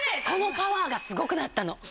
このパワーがすごくなったの。